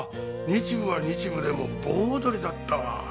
日舞は日舞でも盆踊りだったわ。